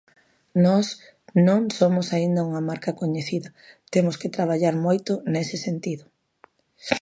Nós non somos aínda unha marca coñecida, temos que traballar moito nese sentido.